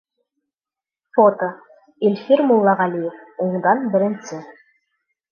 Фото: Илфир Муллағәлиев уңдан беренсе.